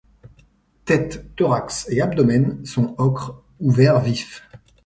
Tête, thorax et abdomen sont ocre ou vert vif.